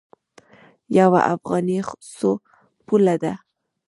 یوه افغانۍ څو پوله ده؟